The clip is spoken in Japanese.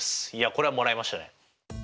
これはもらいましたね。